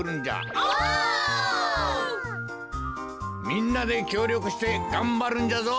みんなできょうりょくしてがんばるんじゃぞ。